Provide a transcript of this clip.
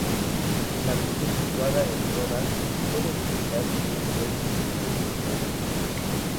En la versión situada en Rodas puede detectarse un nivel mítico mucho más antiguo.